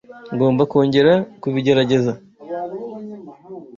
Ngomba kongera kubigerageza